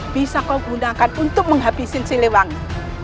bisa kau gunakan untuk menghabisin siliwangi